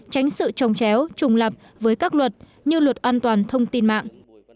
tránh sự trồng chéo trùng lập với các luật như luật an toàn thông tin mạng